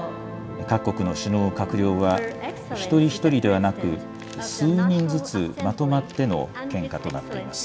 各国の首脳、閣僚は一人一人ではなく、数人ずつまとまっての献花となっています。